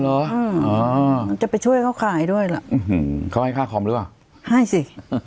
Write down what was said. อ๋อเหรออ๋อจะไปช่วยเขาขายด้วยล่ะอื้อหือเขาให้ค่าคอมหรือเปล่าให้สิ